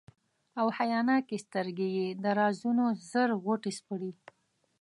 او حیاناکي سترګي یې د رازونو زر غوټي سپړي،